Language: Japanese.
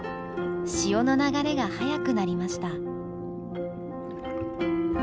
潮の流れが速くなりました。